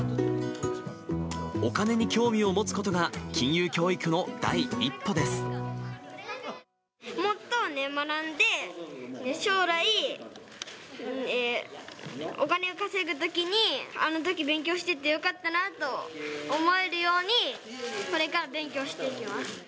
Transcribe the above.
お金に興味を持つことが、金融教もっと学んで、将来、お金を稼ぐときに、あのとき勉強しててよかったなと思えるように、これから勉強していきます。